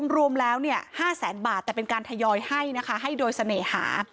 รวมแล้ว๕แสนบาทแต่เป็นการทยอยให้นะคะให้โดยเสน่หา